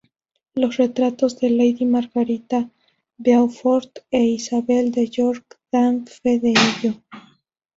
Los retratos de lady Margarita Beaufort e Isabel de York dan fe de ello.